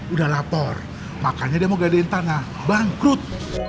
udah lapor makanya dia mau gadein tanah bangkrut